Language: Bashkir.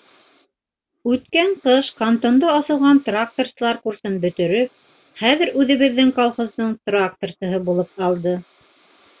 Үткән ҡыш кантонда асылған тракторсылар курсын бөтөрөп, хәҙер үҙебеҙҙең колхоздың тракторсыһы булып алды.